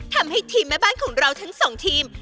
ทำให้ทีมแม่บ้านของเราทั้งสองทีม